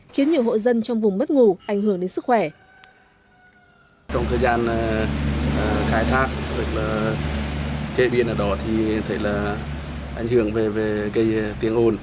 khiến nhiều hộ dân trong vùng mất ngủ ảnh hưởng đến sức khỏe